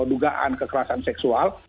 dugaan kekerasan seksual